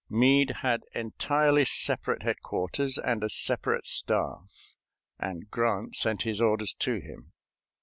Meade had entirely separate headquarters and a separate staff, and Grant sent his orders to him.